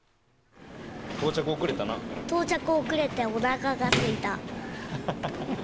到着遅れて、おなかがすいた。